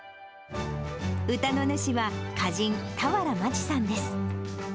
歌の主は、歌人、俵万智さんです。